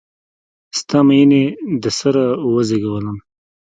ستا میینې د سره وزیږولم